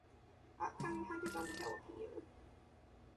Upcoming hunters on the hill appear.